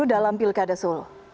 itu dalam pilkada solo